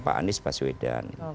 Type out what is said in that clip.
pak anies baswedan